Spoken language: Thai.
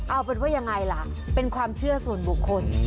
เอาเป็นว่ายังไงล่ะเป็นความเชื่อส่วนบุคคล